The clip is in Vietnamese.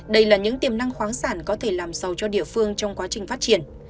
đây là những tiềm năng khoáng sản có thể làm sâu cho địa phương trong quá trình phát triển